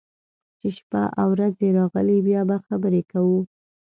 چې شپه او رځې راغلې، بیا به خبرې کوو.